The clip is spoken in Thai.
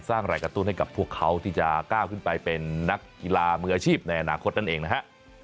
สร้างแรงกระตุ้นให้กับพวกเขาที่จะก้าวขึ้นไปเป็นนักกีฬามืออาชีพในอนาคตนั่นเองนะฮะ